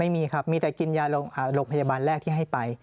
ไม่มีครับมีแต่กินยาโรงพยาบาลแรกที่ให้ไป